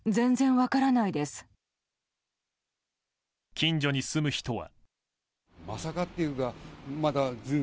近所に住む人は。